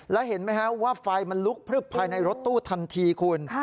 แล้วเห็นไหมฮะว่าไฟมันลุกพลึบภายในรถตู้ทันทีคุณ